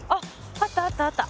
あったあったあった。